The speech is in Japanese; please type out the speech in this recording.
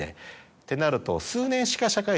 ってなると。